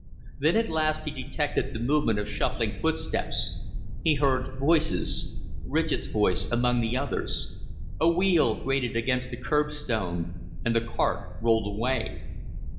Then at last he detected the movement of shuffling footsteps; he heard voices Ridgett's voice among the others; a wheel grated against the curbstone, and the cart rolled away.